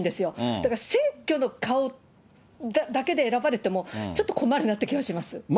だから選挙の顔だけで選ばれてもちょっと困るなっていう気がしま